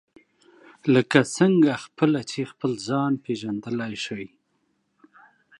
لکه څنګه خپله چې خپل ځان پېژندلای شئ.